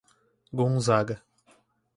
Gonzaga